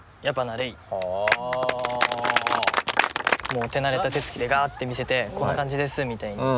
もう手慣れた手つきでガーッて見せて「こんな感じです」みたいに。